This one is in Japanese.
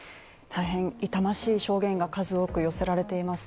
大変痛ましい証言が数多く寄せられています。